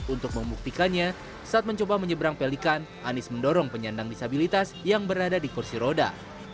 untuk membuktikannya saat mencoba menyeberang pelikan anies mendorong penyandang disabilitas yang berada di kursi roda